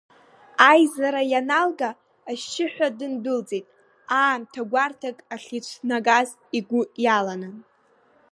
Аизара ианалга ашьшьыҳәа дындәылҵит, аамҭа гәарҭак ахьицәнагаз игәы иаланы.